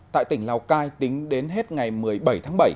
tại tỉnh lào cai tính đến hết ngày một mươi bảy tháng bảy